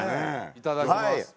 いただきます。